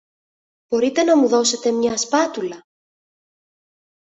Μπορείτε να μου δώσετε μια σπάτουλα;